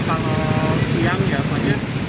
kalau siang ya